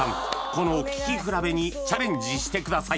この聴き比べにチャレンジしてください